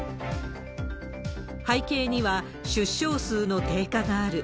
背景には、出生数の低下がある。